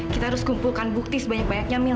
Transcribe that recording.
kita harus kumpulkan bukti sebanyak banyaknya mil